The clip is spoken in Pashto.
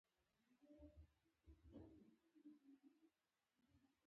• مینه د احساساتو یو تلپاتې اور دی.